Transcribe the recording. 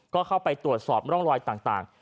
ก็เข้าไปตรวจสอบร่องรอยต่าง